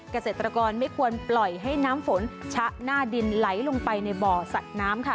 เกษตรกรไม่ควรปล่อยให้น้ำฝนชะหน้าดินไหลลงไปในบ่อสัตว์น้ำค่ะ